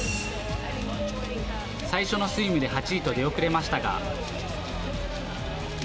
最初のスイムで８位と出遅れましたが。